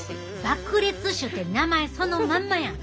爆裂種って名前そのまんまやん！